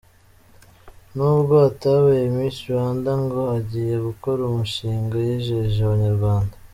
Nubwo atabaye Miss Rwanda ngo agiye gukora umushinga yijeje Abanyarwanda.